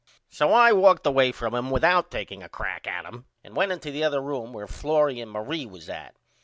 So I walked away from him without takeing a crack at him and went into the other room where Florrie and Marie was at.